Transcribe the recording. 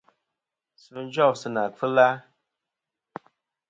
Sfɨ jof sɨ nà kfɨla.